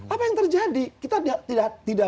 apa yang terjadi kita tidak